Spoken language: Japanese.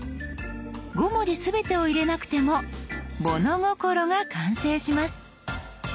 ５文字全てを入れなくても「物心」が完成します。